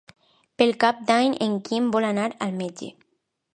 Per Cap d'Any en Quim vol anar al metge.